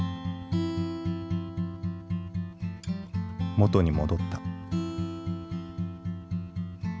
元に戻った。